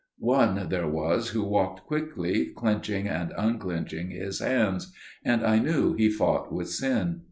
One there was who walked quickly, clenching and unclenching his hands, and I knew he fought with sin.